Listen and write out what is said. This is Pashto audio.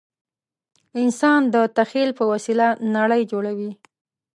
انسان د تخیل په وسیله نړۍ جوړوي.